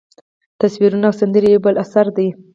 تصویرونه او سندرې یو بل اثر دی.